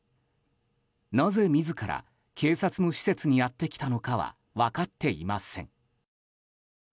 なぜ自ら警察の施設にやってきたのかは分かっていません。